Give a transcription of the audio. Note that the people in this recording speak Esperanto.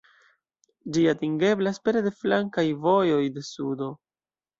Ĝi atingeblas pere de flankaj vojoj de sudo.